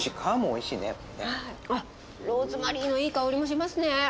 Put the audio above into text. あっローズマリーのいい香りもしますね。